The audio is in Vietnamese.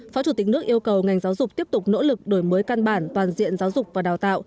phó chủ tịch nước yêu cầu ngành giáo dục tiếp tục nỗ lực đổi mới căn bản toàn diện giáo dục và đào tạo